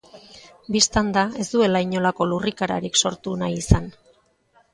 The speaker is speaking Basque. Bistan da, ez duela inolako lurrikararik sortu nahi izan.